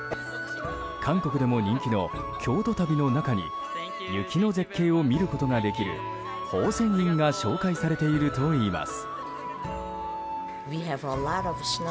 韓国でも人気の京都旅の中に雪の絶景を見ることができる宝泉院が紹介されているといいます。